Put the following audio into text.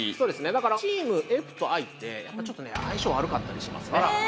だからチームＦとＩってやっぱりちょっとね相性悪かったりしますね